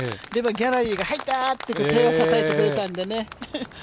ギャラリーが「入った！」って手をたたいてくれたんでね。